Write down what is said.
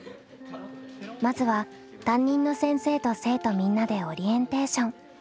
まずは担任の先生と生徒みんなでオリエンテーション。